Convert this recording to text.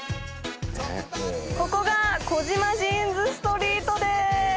ここが児島ジーンズストリートです